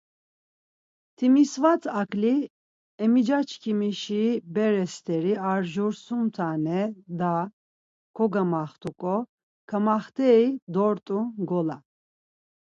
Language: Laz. Timisvat aǩli, emicaşǩimişi bere st̆eri a cur sum tane daa kogamaxt̆uǩo, kamaxt̆ey dort̆u ngola.